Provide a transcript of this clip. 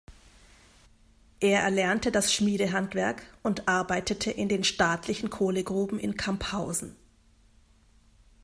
Er erlernte das Schmiedehandwerk und arbeitete in den Staatlichen Kohlegruben in Camphausen.